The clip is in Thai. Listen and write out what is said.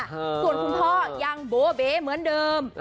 ส่วนคุณพ่อยังโบเบเหมือนเดิม